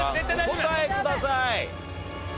お答えください。